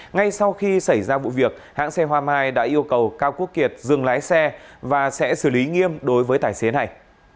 ngay sau khi xảy ra vụ việc hãng xe hoa mai đã yêu cầu cao quốc kiệt dừng lái xe và sẽ xử lý nghiêm đối với tài xế này